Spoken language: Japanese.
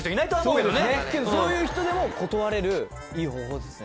けどそういう人でも断れるいい方法ですね。